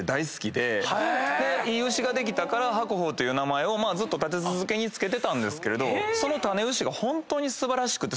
でいい牛ができたから白鵬という名前を立て続けに付けてたんですけどその種牛がホントに素晴らしくて。